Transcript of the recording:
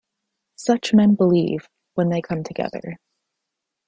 Such men believe, when they come together.